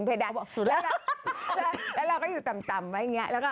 เป็นไงค่ะไป